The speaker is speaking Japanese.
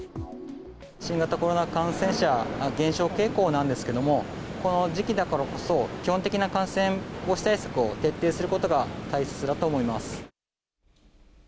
新型コロナ感染者、減少傾向なんですけども、この時期だからこそ、基本的な感染防止対策を徹底することが大切だと思います。